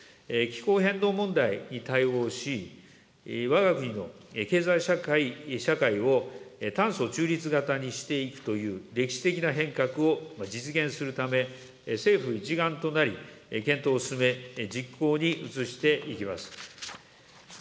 気候変動問題に対応し、わが国の経済社会を炭素中立型にしていくという歴史的な変革を実現するため、政府一丸となり、検討を進め、実行に移していきます。